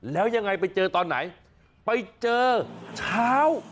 แล้วยังไงไปเจอตอนไหนไปเจอเช้า